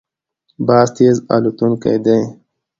باز تېز الوتونکی دی